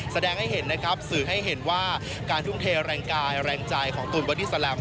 แสดงให้เห็นนะครับสื่อให้เห็นว่าการทุ่มเทแรงกายแรงใจของตูนบอดี้แลม